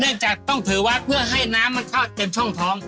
จากต้องถือวัดเพื่อให้น้ำมันเข้าเต็มช่องท้อง